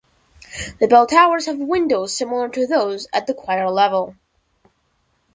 The bell towers have windows similar to those at the choir level.